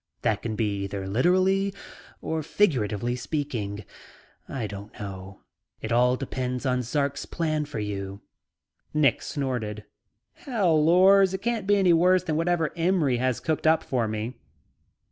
That can be either literally, or figuratively speaking, I don't know. It all depends on Zark's plans for you." Nick snorted, "Hell, Lors, it can't be any worse than whatever Imry had cooked up for me."